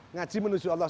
ngaji menuju allah